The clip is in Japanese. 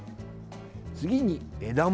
次に枝物。